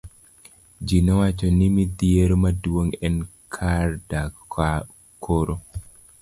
Ji nowacho ni midhiero maduong' en kar dak koro.